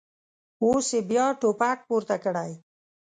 اوس یې بیا ټوپک پورته کړی.